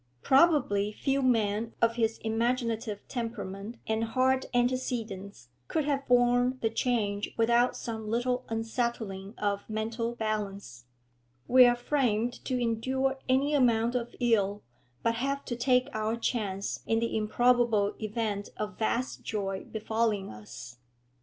Probably few men of his imaginative temperament and hard antecedents could have borne the change without some little unsettling of mental balance; we are framed to endure any amount of ill, but have to take our chance in the improbable event of vast joy befalling us.